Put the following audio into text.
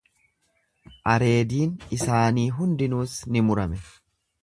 Areediin isaanii hundinuus ni murame.